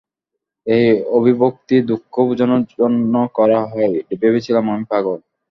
এই অভিব্যক্তি দুঃখ বোঝানোর জন্য করা হয়, ভেবেছিলাম আমি পাগল।